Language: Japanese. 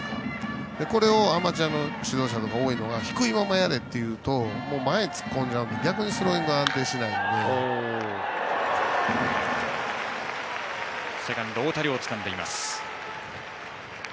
これをアマチュアの指導者とかで多いのが低いままやれというと前に突っ込んじゃうので逆にスローイングがセカンドの太田椋がつかみました。